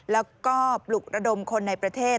แล้วก็ปลุกระดมคนในประเทศ